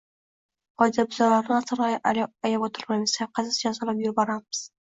– Qoidabuzarlarni aslo ayab o’tirmaymiz, shavqatsiz jazolab yuboramiz!